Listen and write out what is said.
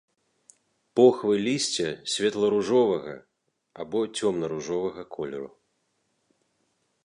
Похвы лісця светла-ружовага або цёмна-ружовага колеру.